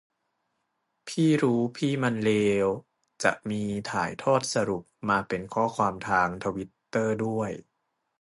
พี่รู้พี่มันเลว จะมีถ่ายทอดสรุปมาเป็นข้อความทางทวิตเตอร์ด้วย